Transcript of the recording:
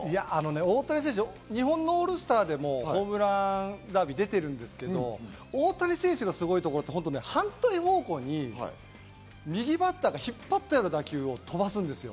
大谷選手、日本のオールスターでもホームランダービーに出てるんですけど、大谷選手のすごいところって反対方向に右バッターが引っ張ったような打球を飛ばすんです。